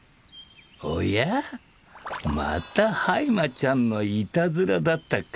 おやまたハイマちゃんのいたずらだったか。